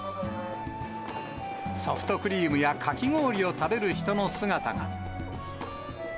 ソフトクリームやかき氷を食べる人の姿が。